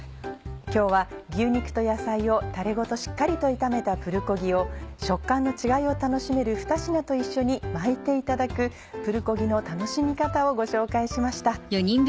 今日は牛肉と野菜をタレごとしっかりと炒めたプルコギを食感の違いを楽しめるふた品と一緒に巻いていただくプルコギの楽しみ方をご紹介しました。